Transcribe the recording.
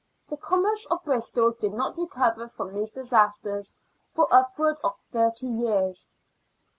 The com merce of Bristol did not recover from these disasters for upwards of thirty years.